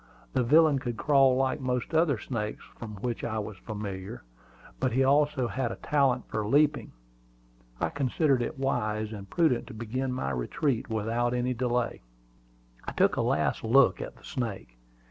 The villain could crawl like most other snakes with which I was familiar, but he also had a talent for leaping. I considered it wise and prudent to begin my retreat without any delay. I took a last look at the snake.